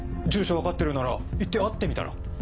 住所分かってるなら行って会ってみたら？